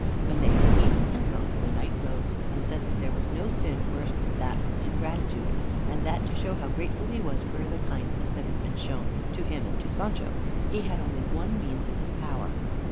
When they had eaten and drunk, the Knight rose, and said that there was no sin worse than that of ingratitude, and that to show how grateful he was for the kindness that had been shown to him and to Sancho, he had only one means in his power.